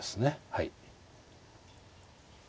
はい。